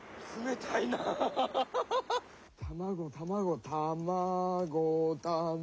たまごたまごたまごたま。